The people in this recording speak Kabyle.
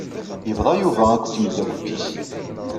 Yebḍa Yuba akked tmeddakelt-is.